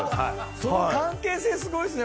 その関係性すごいっすね！